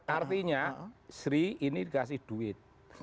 artinya sri ini dikasih duit